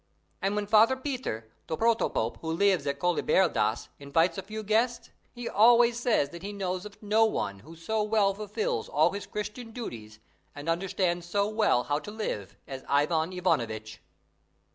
And when Father Peter, the Protopope who lives at Koliberdas, invites a few guests, he always says that he knows of no one who so well fulfils all his Christian duties and understands so well how to live as Ivan Ivanovitch.